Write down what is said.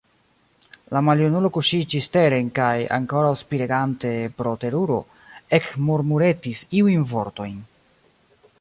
La maljunulo kuŝiĝis teren kaj, ankoraŭ spiregante pro teruro, ekmurmuretis iujn vortojn.